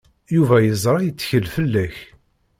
Yuba yeẓra yettkel fell-ak.